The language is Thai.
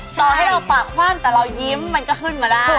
ต่อให้เราปากคว่ำแต่เรายิ้มมันก็ขึ้นมาได้